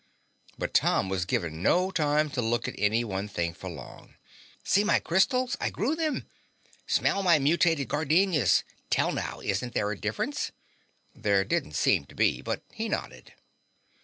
But Tom was given no time to look at any one thing for long. "See my crystals? I grew them." "Smell my mutated gardenias. Tell now, isn't there a difference?" There didn't seem to be, but he nodded.